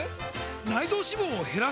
内臓脂肪を減らす！？